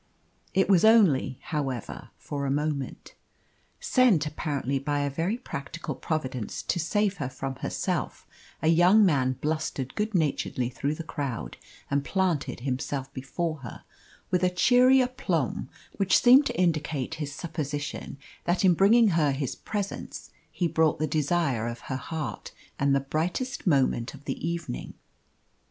It was only, however, for a moment. Sent, apparently, by a very practical Providence to save her from herself, a young man blustered good naturedly through the crowd and planted himself before her with a cheery aplomb which seemed to indicate his supposition that in bringing her his presence he brought the desire of her heart and the brightest moment of the evening.